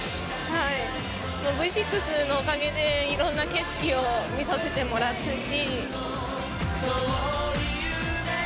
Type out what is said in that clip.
Ｖ６のおかげで、いろんな景色を見させてもらったし。